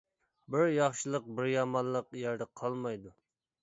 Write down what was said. بىر ياخشىلىق بىر يامانلىق يەردە قالمايدۇ.